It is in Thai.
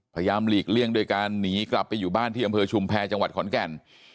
หลีกเลี่ยงด้วยการหนีกลับไปอยู่บ้านที่อำเภอชุมแพรจังหวัดขอนแก่น